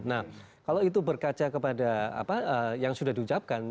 nah kalau itu berkaca kepada apa yang sudah diucapkan